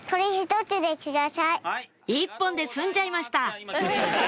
１本で済んじゃいました